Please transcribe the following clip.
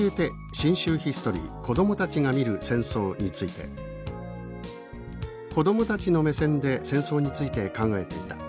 信州ヒストリー子どもたちがみる戦争」について「子どもたちの目線で戦争について考えていた。